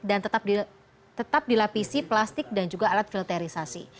dan tetap dilapisi plastik dan juga alat filterisasi